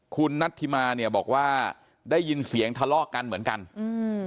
คุณนัทธิมาเนี่ยบอกว่าได้ยินเสียงทะเลาะกันเหมือนกันอืม